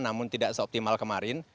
namun tidak seoptimal kemarin